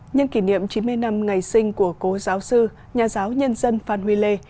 nhân kỷ niệm chín mươi năm ngày sinh của cố giáo sư nhà giáo nhân dân phan huy lê